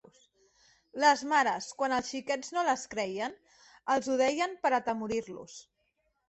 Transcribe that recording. Les mares, quan els xiquets no les creien, els ho deien per atemorir-los.